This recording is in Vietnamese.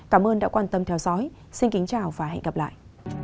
cảm ơn đã quan tâm theo dõi xin kính chào và hẹn gặp lại